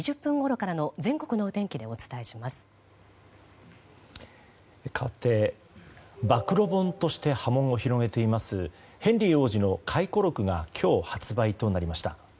かわって暴露本として波紋を広げていますヘンリー王子の回顧録が今日、発売となりました。